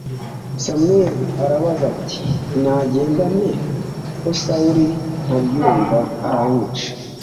Samweli arabaza ati “Nagenda nte ko Sawuli nabyumva azanyica?